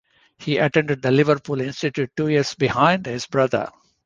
He attended the Liverpool Institute two years behind his brother.